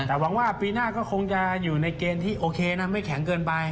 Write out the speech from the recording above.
แต่หวังว่าปีหน้าก็คงจะอยู่ในเกณฑ์ที่โอเคนะไม่แข็งเกินไป